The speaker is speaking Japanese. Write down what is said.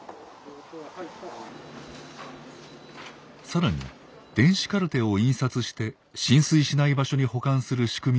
更に電子カルテを印刷して浸水しない場所に保管する仕組みを整備。